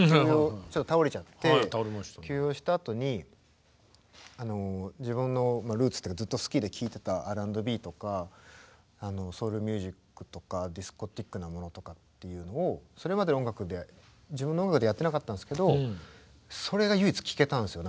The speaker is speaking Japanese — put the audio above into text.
ちょっと倒れちゃって休養したあとに自分のルーツっていうかずっと好きで聴いてたＲ＆Ｂとかソウルミュージックとかディスコティックなものとかっていうのをそれまでの音楽で自分の音楽でやってなかったんですけどそれが唯一聴けたんですよ。